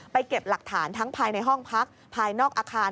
เก็บหลักฐานทั้งภายในห้องพักภายนอกอาคาร